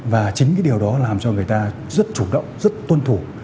và chính cái điều đó làm cho người ta rất chủ động rất tuân thủ